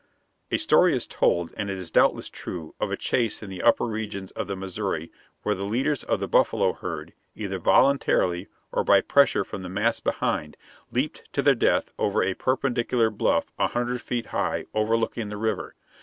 A story is told, and it is doubtless true, of a chase in the upper regions of the Missouri, where the leaders of the buffalo herd, either voluntarily or by pressure from the mass behind, leaped to their death over a perpendicular bluff a hundred feet high, overlooking the river.